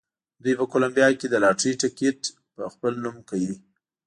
دوی په کولمبیا کې د لاټرۍ ټکټ په خپل نوم کوي.